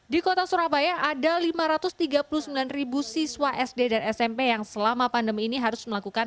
di kota surabaya ada lima ratus tiga puluh sembilan siswa sd dan smp yang selama pandemi ini harus melakukan